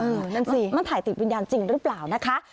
นั่นสิมันถ่ายติดวิญญาณจริงหรือเปล่านะคะ